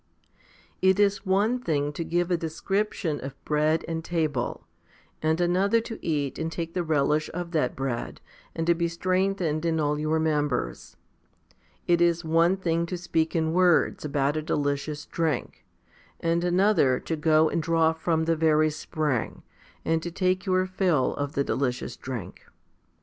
It is one thing to give a description of bread and table, and another to eat and take the relish of that bread, and to be strengthened in all your members. It is one thing to speak in words about a delicious drink, and another to go and draw from the very spring, and to take your fill of the delicious drink.